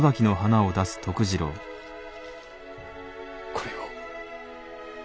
これを。